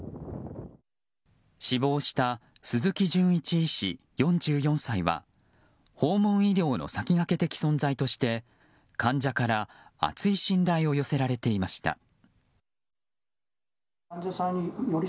死亡した鈴木純一医師、４４歳は訪問医療の先駆け的存在として患者から厚い信頼を寄せられていました。